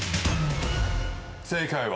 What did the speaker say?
正解は。